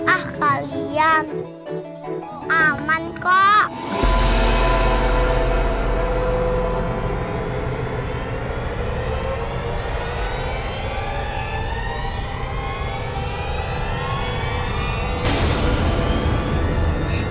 ah kalian aman kok